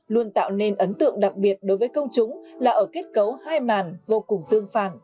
luôn tạo nên ấn tượng đặc biệt đối với công chúng là ở kết cấu hai màn vô cùng tương phản